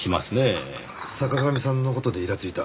坂上さんの事でイラついた。